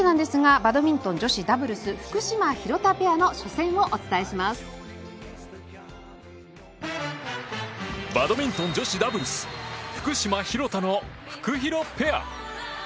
バドミントン女子ダブルス福島、廣田のフクヒロペア。